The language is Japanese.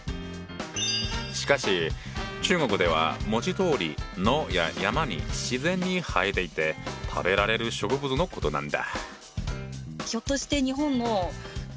しかし中国では文字どおり野や山に自然に生えていて食べられる植物のことなんだ。